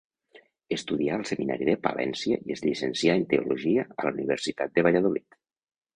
Estudià al Seminari de Palència i es llicencià en teologia a la Universitat de Valladolid.